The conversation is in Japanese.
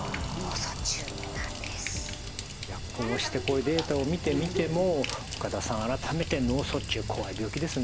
いやこうしてデータを見てみても岡田さん改めて脳卒中怖い病気ですね。